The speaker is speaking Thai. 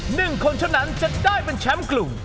หนึ่งคนเท่านั้นจะได้เป็นแชมป์กลุ่ม